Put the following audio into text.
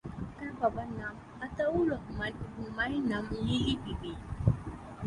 তার বাবার নাম আতাউর রহমান এবং মায়ের নাম লিলি বিবি।